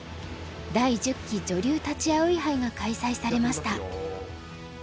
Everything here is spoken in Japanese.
第１０期女流立葵杯が開催されました。